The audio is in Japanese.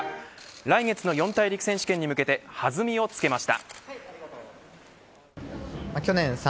来月の四大陸選手権に向けて弾みをつけました。